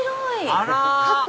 あら！